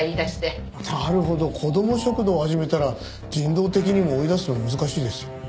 なるほど子ども食堂を始めたら人道的にも追い出すのは難しいですよね。